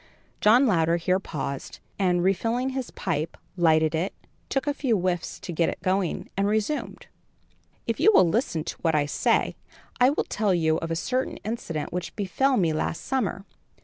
John Louder here paused and, refilling his pipe, lighted it, took a few whiffs to get it going and resumed: "If you will listen to what I say, I will tell you of a certain incident which befell me last summer.